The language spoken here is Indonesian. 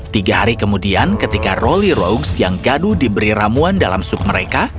tiga hari kemudian ketika rolly rogungs yang gaduh diberi ramuan dalam sup mereka